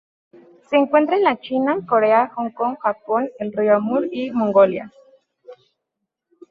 Se encuentra en la China, Corea, Hong Kong, Japón, el río Amur y Mongolia.